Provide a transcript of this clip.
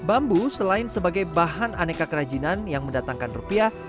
bambu selain sebagai bahan aneka kerajinan yang mendatangkan rupiah